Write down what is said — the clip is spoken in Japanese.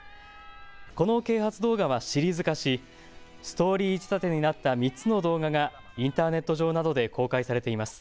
この啓発動画はシリーズ化しストーリー仕立てになった３つの動画がインターネット上などで公開されています。